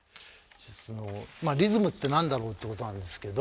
リズムって何だろうってことなんですけど。